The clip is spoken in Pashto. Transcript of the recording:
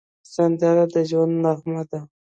سندره د ژوند نغمه ده